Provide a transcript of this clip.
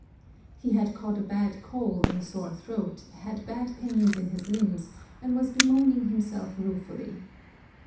He had caught a bad cold and sore throat, had bad pains in his limbs, and was bemoaning himself ruefully.